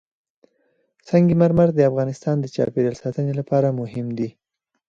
سنگ مرمر د افغانستان د چاپیریال ساتنې لپاره مهم دي.